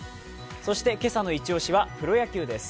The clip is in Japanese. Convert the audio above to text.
そして今朝のイチ押しはプロ野球です。